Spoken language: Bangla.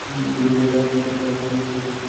যাও খুঁজো তাকে।